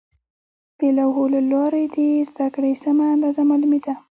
د لوحو له لارې د زده کړې سمه اندازه معلومېده.